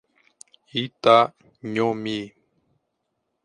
Itanhomi